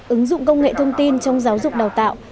ứng dụng công nghệ thông tin trong giáo dục đào tạo